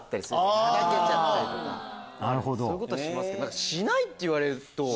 そういうことはしますけどしないって言われると。